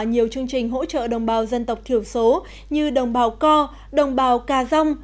nhiều chương trình hỗ trợ đồng bào dân tộc thiểu số như đồng bào co đồng bào cà dông